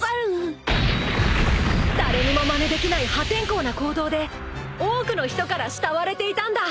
［誰にもまねできない破天荒な行動で多くの人から慕われていたんだ］